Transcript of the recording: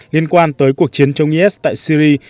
liên quan tới cuộc chiến chống is tại syria